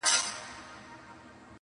نن په څشي تودوې ساړه رګونه٫